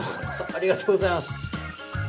ありがとうございます。